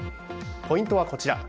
ポイントはこちら。